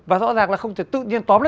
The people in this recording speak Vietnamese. và rõ ràng là không thể tự nhiên tóm lại